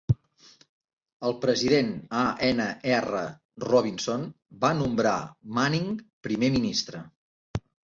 El President A. N. R. Robinson va nombrar Manning Primer Ministre.